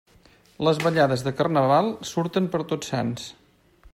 Les ballades de Carnaval surten per Tots Sants.